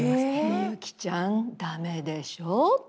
「みゆきちゃん駄目でしょ」って。